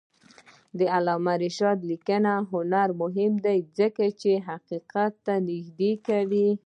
د علامه رشاد لیکنی هنر مهم دی ځکه چې حقیقت نږدې کوي.